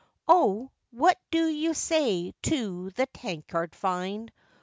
Oh! what do you say to the tankard fine?